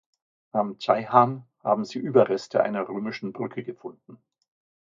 Am Ceyhan haben sich Überreste einer römischen Brücke gefunden.